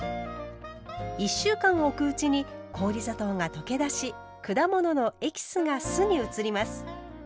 １週間おくうちに氷砂糖が溶け出し果物のエキスが酢に移ります。